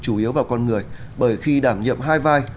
chủ yếu vào con người bởi khi đảm nhiệm hai vai